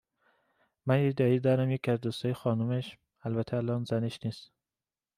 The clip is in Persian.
من یه دائی دارم یکی از دوستای خانومش، البته الان زنش نیس